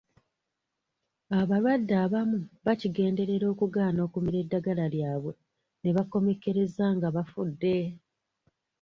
Abalwadde abamu bakigenderera okugaana okumira eddagala lyabwe ne bakomekkereza nga bafudde.